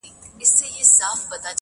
نور دي نو شېخاني كيسې نه كوي~